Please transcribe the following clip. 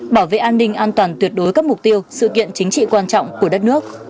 bảo vệ an ninh an toàn tuyệt đối các mục tiêu sự kiện chính trị quan trọng của đất nước